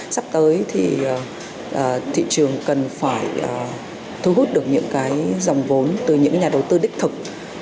sắp tới thì thị trường cần phải thu hút được những cái dòng vốn từ những nhà đầu tư đích thực